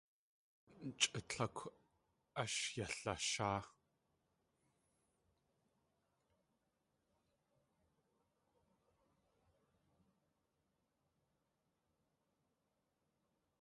Chʼa tlákw ash yalasháa.